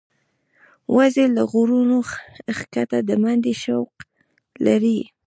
وزې له غرونو ښکته د منډې شوق لري